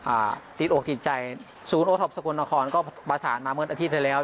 อ่าติดอกติดใจศูนย์โอท็อปสกลนครก็ประสานมาเมื่ออาทิตย์ที่แล้ว